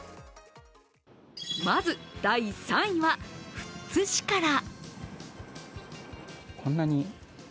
まず第３位は富津市から。